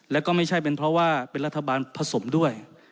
แล้วก็ไม่ใช่เป็นเพราะว่าเป็นรัฐบาลผสมด้วย